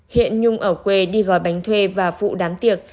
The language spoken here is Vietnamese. hiện nhung ở quê đi gói bánh thuê và phụ đám tiệc